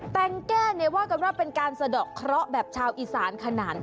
แต่งแก้เนี่ยว่ากันว่าเป็นการสะดอกเคราะห์แบบชาวอีสานขนาด